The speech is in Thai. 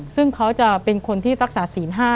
ซึ่งเขาจะเป็นคนที่รักษาศีล๕